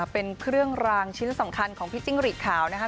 เป็นเครื่องรางชิ้นสำคัญของพี่จิ้งหลีดขาวนะคะ